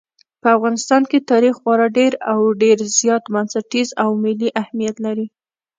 په افغانستان کې تاریخ خورا ډېر او ډېر زیات بنسټیز او ملي اهمیت لري.